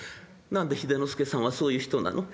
何で秀之助さんはそういう人なの？」。